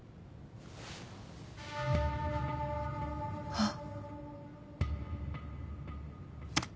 あっ。